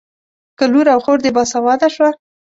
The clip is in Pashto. که لور او خور دې باسواده شوه.